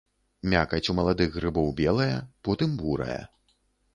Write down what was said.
Мякаць у маладых грыбоў белая, потым бурая.